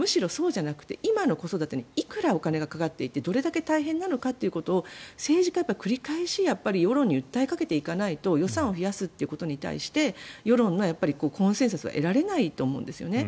むしろそうじゃなくて今の子育てにいくらお金がかかっていてどれだけ大変なのかということを政治家は繰り返し世論に訴えかけていかないと予算を増やしていくことに対して世論のコンセンサスは得られないと思うんです。